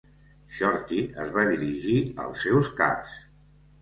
Shorty es va dirigir als seus caps.